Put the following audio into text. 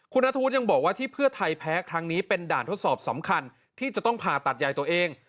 คุณนัทธวุฒิยังบอกว่าที่เพื่อไทยแพ้ครั้งนี้เป็นด่านทดสอบสำคัญที่จะต้องผ่าตัดใหญ่ตัวเอง